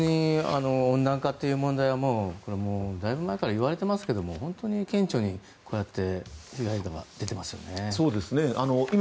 温暖化という問題はだいぶ前からいわれていますが本当に顕著にこうやって被害が出ていますよね。